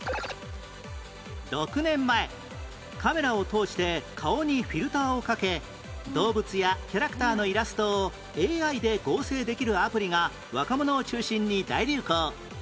６年前カメラを通して顔にフィルターをかけ動物やキャラクターのイラストを ＡＩ で合成できるアプリが若者を中心に大流行